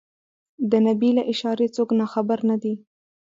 د نبي له اشارې څوک ناخبر نه دي.